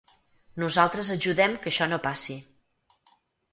Nosaltres ajudem que això no passi.